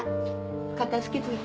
片付けといて。